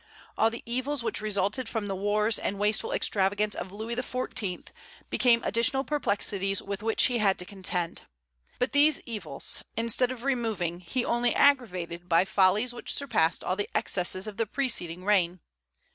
All the evils which resulted from the wars and wasteful extravagance of Louis XIV. became additional perplexities with which he had to contend. But these evils, instead of removing, he only aggravated by follies which surpassed all the excesses of the preceding reign.